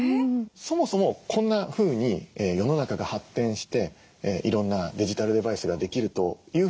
そもそもこんなふうに世の中が発展していろんなデジタルデバイスができるというふうに人間の体はできてない。